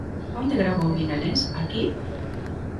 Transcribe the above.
Onde gravou Milanés, aquí?